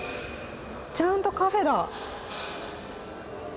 ちゃんとカフェだ。